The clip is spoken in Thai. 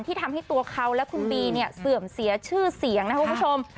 ทำให้ตัวเขาและคุณบีเนี่ยเสื่อมเสียชื่อเสียงนะครับคุณผู้ชม